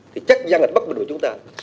thì chắc răng hạt bắt bật đổi chúng ta